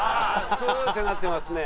「フウ」ってなってますね。